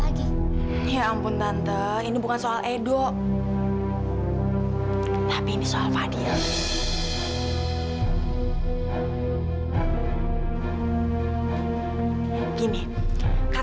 jadi kamu jangan nangis lagi ya